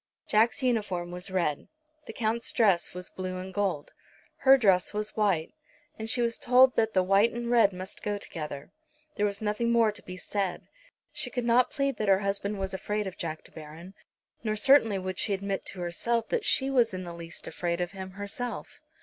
Jack's uniform was red. The Count's dress was blue and gold. Her dress was white, and she was told that the white and red must go together. There was nothing more to be said. She could not plead that her husband was afraid of Jack De Baron. Nor certainly would she admit to herself that she was in the least afraid of him herself.